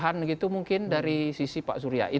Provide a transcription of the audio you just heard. kehan gitu mungkin dari sisi pak surya